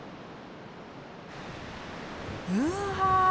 うわ！